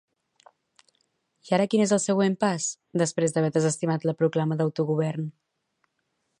I ara quin és el següent pas, després d'haver desestimat la proclama d'autogovern?